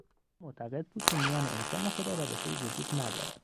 او معتقد بود که میان انسان و خدا رابطهای وجود ندارد.